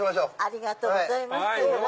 ありがとうございます。